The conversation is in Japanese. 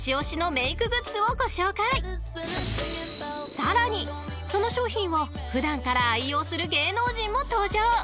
［さらにその商品を普段から愛用する芸能人も登場］